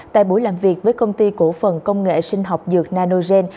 tại buổi làm việc với công ty cổ phần công nghệ sinh học dược nanogen